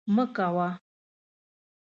مه کوه